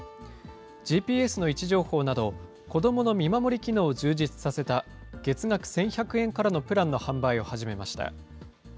ＧＰＳの位置情報など子どもの見守り機能を充実させた月額１１００円からのプランの販売を始めました。